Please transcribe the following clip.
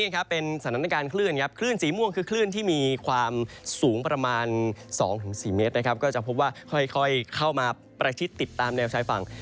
ก็ค่อยเข้ามาประทิติติตามแนวใช้ฝั่ง